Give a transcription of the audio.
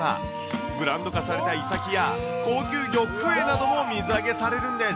ブランド化されたイサキや、高級魚、クエなども水揚げされるんです。